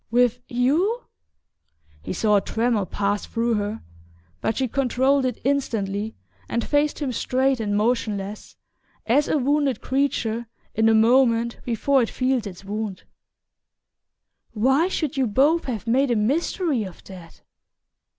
"With you?" He saw a tremor pass through her, but she controlled it instantly and faced him straight and motionless as a wounded creature in the moment before it feels its wound. "Why should you both have made a mystery of that?"